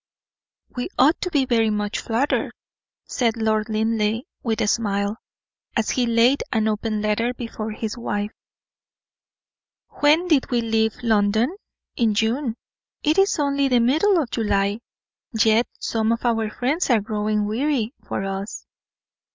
"We ought to be very much flattered," said Lord Linleigh, with a smile, as he laid an open letter before his wife. "When did we leave London? in June. It is only the middle of July, yet some of our friends are growing weary for us."